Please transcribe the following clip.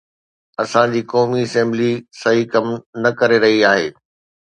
اسان جي قومي اسيمبلي صحيح ڪم نه ڪري رهي آهي.